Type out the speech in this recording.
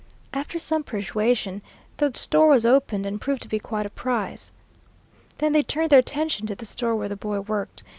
After some persuasion the store was opened and proved to be quite a prize. Then they turned their attention to the store where the boy worked.